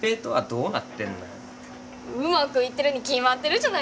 うまくいってるに決まってるじゃないですか。